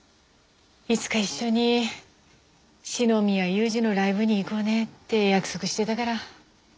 いつか一緒に四宮裕二のライブに行こうねって約束してたから。